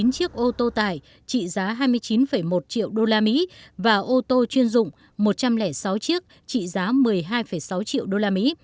một bốn trăm bảy mươi chín chiếc ô tô tải trị giá hai mươi chín một triệu usd và ô tô chuyên dụng một trăm linh sáu chiếc trị giá một mươi hai sáu triệu usd